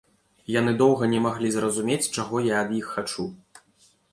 Яны доўга не маглі зразумець, чаго я ад іх хачу.